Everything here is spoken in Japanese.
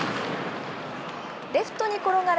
レフトに転がる